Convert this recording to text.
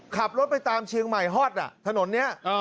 ขับรถไปตามเชียงใหม่ฮอตถนนนี้